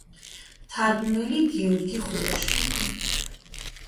მთარგმნელი: გიორგი ხუროშვილი.